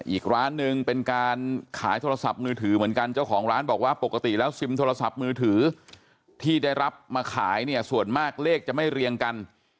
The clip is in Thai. อีกร้านหนึ่งเป็นการขายโทรศัพท์มือถือเหมือนกันเจ้าของร้านบอกว่าปกติแล้วซิมโทรศัพท์มือถือที่ได้รับมาขายเนี่ยส่วนมากเลขจะไม่เรียงกัน